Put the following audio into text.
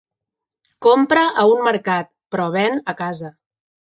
Compra a un mercat, però ven a casa.